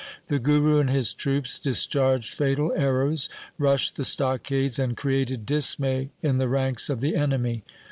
The Guru and his troops dis charged fatal arrows, rushed the stockades, and created dismay in the ranks of the enemy.